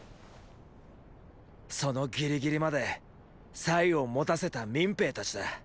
そのギリギリまでをもたせた民兵たちだ。